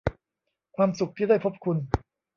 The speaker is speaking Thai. ความสุขที่ได้พบคุณ